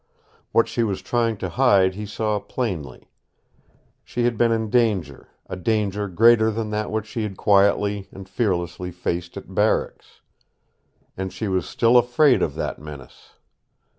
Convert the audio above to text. What she was trying to hide he saw plainly. She had been in danger, a danger greater than that which she had quietly and fearlessly faced at barracks. And she was still afraid of that menace.